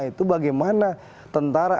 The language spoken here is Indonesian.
itu bagaimana tentara